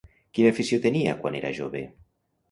Quina afició tenia quan era jove?